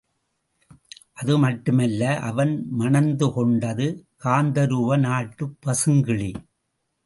அது மட்டுமல்ல அவன் மணந்து கொண்டது காந்தருவ நாட்டுப் பசுங்கிளி.